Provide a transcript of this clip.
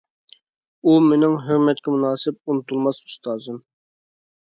ئۇ مېنىڭ ھۆرمەتكە مۇناسىپ، ئۇنتۇلماس ئۇستازىم!